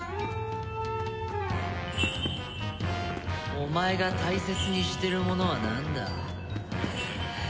お前が大切にしてるものはなんだ？